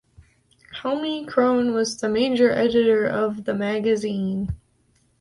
Helmi Krohn was the major editor of the magazine.